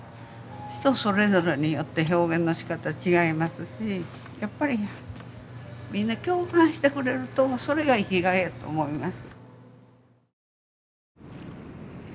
人それぞれによって表現のしかたは違いますしやっぱりみんな共感してくれるとそれが生きがいやと思います。